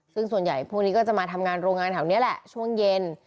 ซึ่งส่วนใหญ่พวกนี้ก็จะมาทำงานโรงงานแถวนี้แหละช่วงเย็น